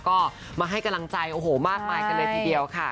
ก็มาให้กำลังใจมากไปกันในทีเดียวค่ะ